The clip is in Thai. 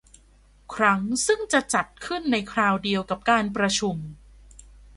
ครั้งซึ่งจะจัดขึ้นในคราวเดียวกับการประชุม